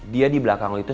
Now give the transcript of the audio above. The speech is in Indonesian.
dia di belakang lu itu